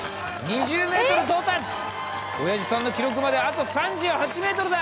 親父さんの記録まであと３８ｍだ！